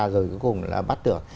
rồi cuối cùng là bắt được